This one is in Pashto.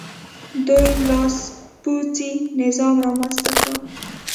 دوی لاسپوڅی نظام رامنځته کړ.